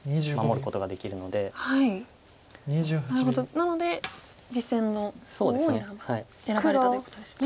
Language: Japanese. なので実戦の方を選ばれたということですね。